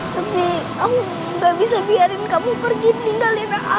tapi aku gak bisa biarin kamu pergi tinggalin aku